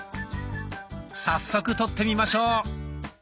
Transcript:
早速撮ってみましょう。